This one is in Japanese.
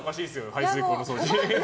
排水口の掃除。